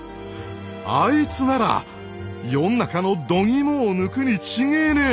あいつなら世ん中のどぎもを抜くに違ぇねえ！